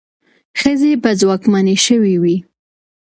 ښځې به ځواکمنې شوې وي.